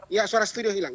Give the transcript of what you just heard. ya suara studio hilang